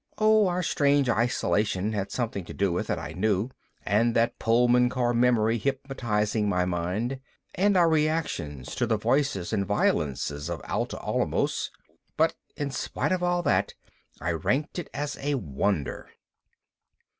Oh, our strange isolation had something to do with it, I knew, and that Pullman car memory hypnotizing my mind, and our reactions to the voices and violence of Atla Alamos, but in spite of all that I ranked it as a wonder.